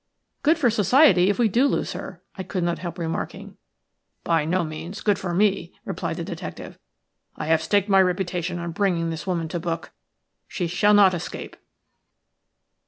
"Good for society if we do lose her," I could not help remarking. "By no means good for me," replied the detective – "I have staked my reputation on bringing this woman to book. She shall not escape."